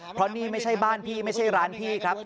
เพราะนี่ไม่ใช่บ้านพี่ไม่ใช่ร้านพี่ครับ